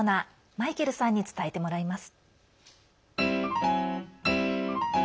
マイケルさんに伝えてもらいます。